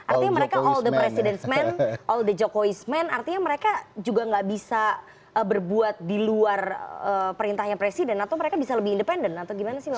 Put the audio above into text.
artinya mereka all the president men all the jokowis men artinya mereka juga nggak bisa berbuat di luar perintahnya presiden atau mereka bisa lebih independen atau gimana sih mas